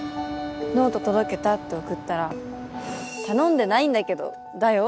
ノート届けたって送ったら頼んでないんだけどだよ